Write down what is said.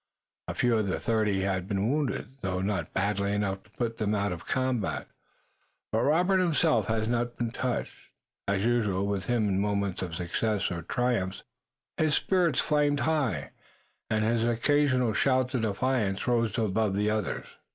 A few of the thirty had been wounded, though not badly enough to put them out of the combat, but Robert himself had not been touched. As usual with him in moments of success or triumph his spirits flamed high, and his occasional shout of defiance rose above the others.